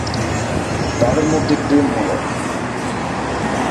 তাদের মধ্যে প্রেম হল।